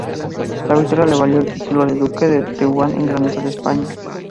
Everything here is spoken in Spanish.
La victoria le valió el título de duque de Tetuán con Grandeza de España.